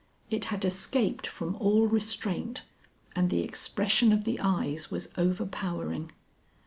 It had escaped from all restraint and the expression of the eyes was overpowering.